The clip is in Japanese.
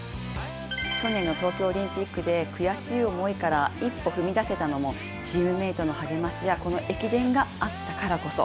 去年の東京オリンピックから悔しい思いから一歩踏み出せたのも、チームメイトの励ましやこの駅伝があったからこそ。